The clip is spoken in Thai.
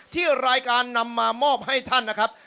ที่รายการนำมามอบให้ท่านนะครับ